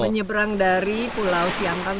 menyeberang dari pulau siangkang